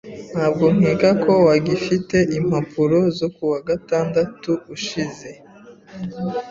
Ntabwo nkeka ko wagifite impapuro zo kuwa gatandatu ushize?